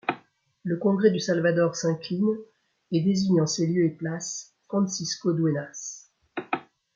Le congrès du Salvador s'incline et désigne en ses lieux et place Francisco Dueñas.